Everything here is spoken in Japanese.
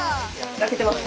焼けてます？